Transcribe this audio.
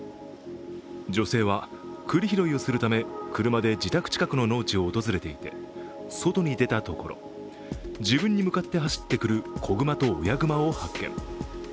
女性は、くり拾いをするために車で自宅近くの農地を訪れていて、外に出たところ自分に向かって走ってくる小熊と親熊を発見。